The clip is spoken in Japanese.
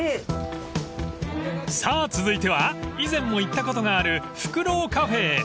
［さあ続いては以前も行ったことがあるフクロウカフェへ］